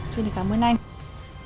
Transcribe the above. vâng xin cảm ơn anh